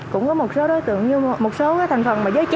cũng có một số đối tượng như một số cái thành phần với vớ và n minh